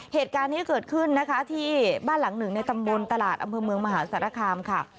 เหตุการณ์นี้เกิดขึ้นนะคะที่บ้านหลังหนึ่งในตำบลตลาดอำเภอเมืองมหาสารคามค่ะ